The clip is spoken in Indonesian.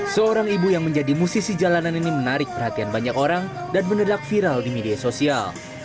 seorang ibu yang menjadi musisi jalanan ini menarik perhatian banyak orang dan menedak viral di media sosial